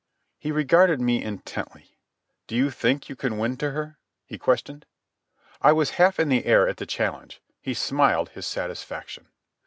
He regarded me intently. "Do you think you can win to her?" he questioned. I was half in the air at the challenge. He smiled his satisfaction.